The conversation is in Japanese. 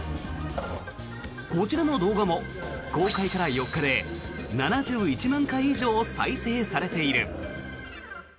こちらの動画も公開から４日で７１万回以上再生されている。